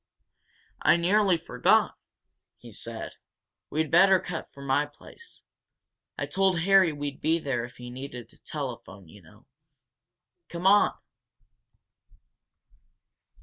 "I nearly forgot!" he said. "We'd better cut for my place. I told Harry we'd be there if he needed a telephone, you know. Come on!"